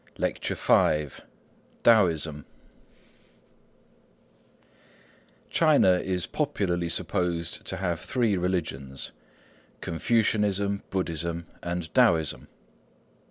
LECTURE V TAOISM TAOISM China is popularly supposed to have three religions,—Confucianism, Buddhism, and Taoism.